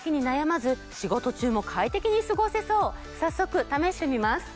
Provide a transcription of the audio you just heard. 早速試してみます。